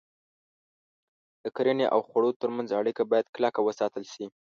د کرنې او خوړو تر منځ اړیکه باید کلکه وساتل شي.